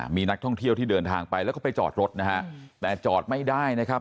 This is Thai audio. มีนักท่องเที่ยวที่เดินทางไปแล้วก็ไปจอดรถนะฮะแต่จอดไม่ได้นะครับ